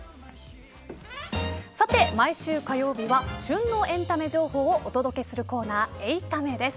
さて、毎週火曜日は旬のエンタメ情報を届けする８タメです。